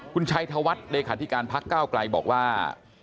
คุณชัยธวัฒน์เลขาธิการพักก้าวไกลบอกว่า